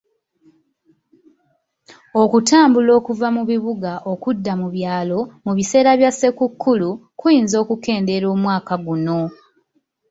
Okutambula okuva mu bibuga okudda mu byalo mu biseera bya ssekukkulu kuyinza okukendeera omwaka guno.